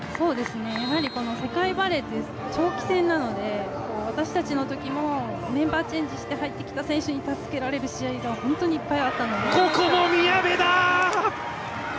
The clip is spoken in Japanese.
やはり世界バレーって長期戦なので、私たちのときもメンバーチェンジして入ってきた選手に助けられる試合が本当にいっぱいあったので。